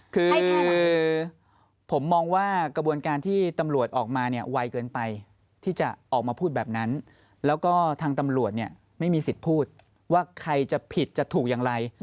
คือผมมองว่ากระบวนการที่ตำรวจออกมาเนี่ยไวเกินไปที่จะออกมาพูดแบบนั้นแล้วก็ทางตำรวจเนี่ยไม่มีสิทธิ์พูดว่าใครจะผิดจะถูกอย่างไร